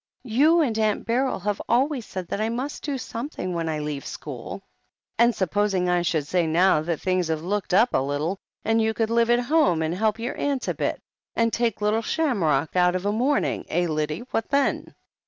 You and Aunt Beryl have always said that I must do something when I leave school." "And supposing I said now that things have looked up a little, and you could live at home and help your aunt a bit, and take little Shamrock out of a morn ing. Eh, Lyddie, what then